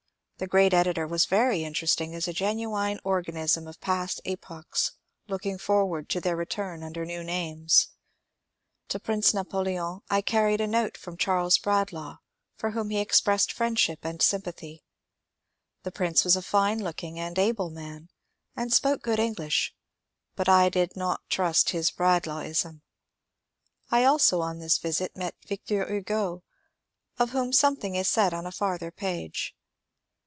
The great editor was very interesting as a genuine organism of past epochs looking forward to their return under new names. To Prince Napoleon I carried a note from Charles Bradlaugh, for whom he expressed friendship and sympathy. The Prince was a fine looking and able man, and spoke good English, but I did not trust his Bradlaughism. I also on this visit met Victor Hugo, of whom something is said on a far ther page.